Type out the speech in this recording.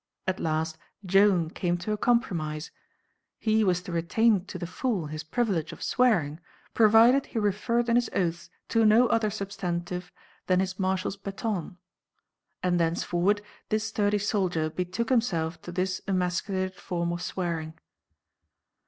At last Joan came to a compromise. He was to retain to the full his privilege of swearing, provided he referred in his oaths to no other substantive than his marshal's baton, and thenceforward this sturdy soldier betook himself to this emasculated form of swearing.